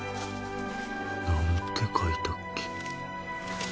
何て書いたっけ